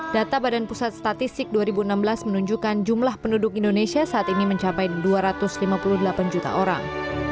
data badan pusat statistik dua ribu enam belas menunjukkan jumlah penduduk indonesia saat ini mencapai dua ratus lima puluh delapan juta orang